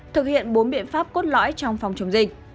thực hiện bốn biện pháp cốt lõi trong phòng chống dịch